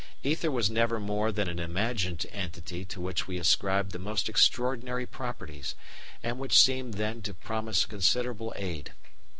Ether was never more than an imagined entity to which we ascribed the most extraordinary properties, and which seemed then to promise considerable aid.